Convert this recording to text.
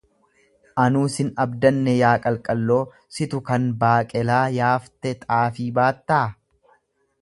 Anuu sin abdanne yaa qalqalloo, situ kan baaqelaa yaaste xaafii baattaa.